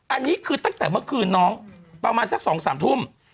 อันนี้คือตั้งแต่เมื่อคืนน้องประมาณสัก๒๓ทุ่ม